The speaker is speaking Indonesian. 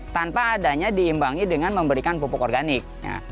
tanpa adanya diimbangi dengan memberikan pupuk organik